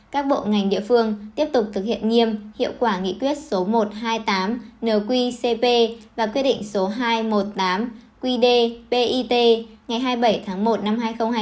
các bộ ngành địa phương tiếp tục thực hiện nghiêm hiệu quả nghị quyết một trăm hai mươi tám nqcp và quy định hai trăm một mươi tám qdpit ngày hai mươi bảy tháng một năm hai nghìn hai mươi hai